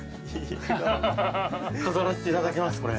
飾らせていただきますこれ。